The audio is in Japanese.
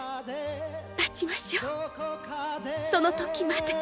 待ちましょうその時まで。